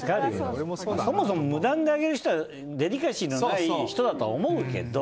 そもそも無断で上げる人はデリカシーがない人だと思うけど。